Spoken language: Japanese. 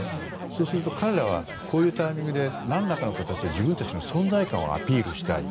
そうすると彼らはこういうタイミングで何らかの形で自分たちの存在感をアピールしたい。